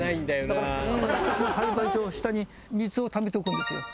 だから１つの栽培下に水をためておくんですよ。